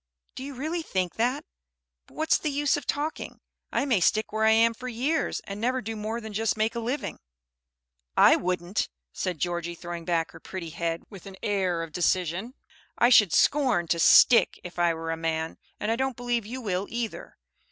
"Do you really think that? But what's the use of talking? I may stick where I am for years, and never do more than just make a living." "I wouldn't!" said Georgie, throwing back her pretty head with an air of decision. "I should scorn to 'stick' if I were a man! And I don't believe you will either.